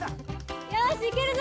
よしいけるぞ！